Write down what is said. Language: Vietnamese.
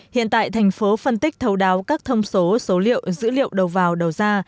hiện tại thành phố phân tích thấu đáo các thông số số liệu dữ liệu đầu vào đầu ra